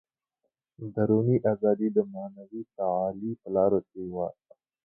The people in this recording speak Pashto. دروني ازادي د معنوي تعالي په لارو کې وه.